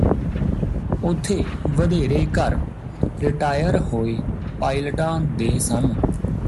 ਉਥੇ ਵਧੇਰੇ ਘਰ ਰਿਟਾਇਰ ਹੋਏ ਪਾਇਲਟਾਂ ਦੇ ਸਨ